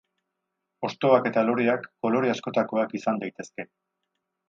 Hostoak eta loreak kolore askotakoak izan daitezke.